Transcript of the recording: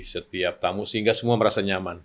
setiap tamu sehingga semua merasa nyaman